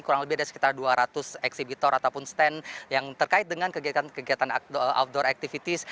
kurang lebih ada sekitar dua ratus eksibitor ataupun stand yang terkait dengan kegiatan kegiatan outdoor activities